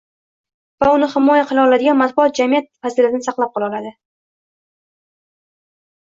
va uni himoya qila oladigan matbuot jamiyat fazilatini saqlab qola oladi.